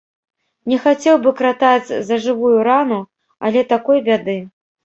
Не хацеў бы кратаць за жывую рану, але такой бяды.